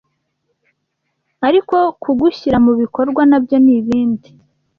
ariko kugishyira mu bikorwa nabyo ni ibindi